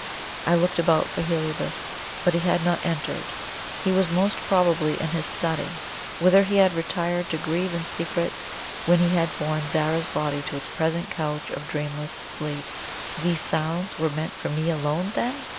I looked about for Heliobas, but he had not entered. He was most probably in his study, whither he had retired to grieve in secret when we had borne Zara's body to its present couch of dreamless sleep. These sounds were meant for me alone, then?